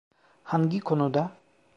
Hangi konuda?